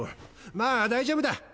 ま大丈夫だ。